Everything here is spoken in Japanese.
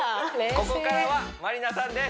ここからはまりなさんです